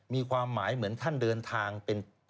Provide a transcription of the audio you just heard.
มีความหมายเหมือนท่านเดินทางเป็น